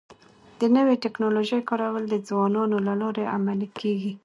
د نوي ټکنالوژۍ کارول د ځوانانو له لارې عملي کيږي.